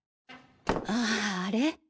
あああれ？